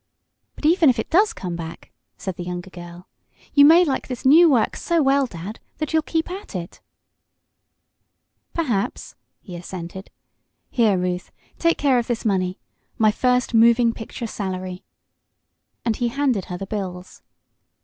"But, even if it does come back," said the younger girl, "you may like this new work so well, Dad, that you'll keep at it." "Perhaps," he assented. "Here, Ruth, take care of this money my first moving picture salary," and he handed her the bills.